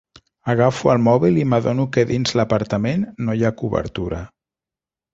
Agafo el mòbil i m'adono que dins l'apartament no hi ha cobertura.